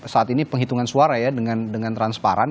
saat ini penghitungan suara ya dengan transparan